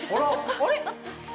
あれ？